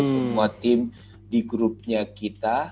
semua tim di grupnya kita